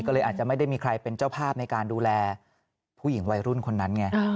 ก็เลยอาจจะไม่ได้มีใครเป็นเจ้าภาพในการดูแลผู้หญิงวัยรุ่นคนนั้นไง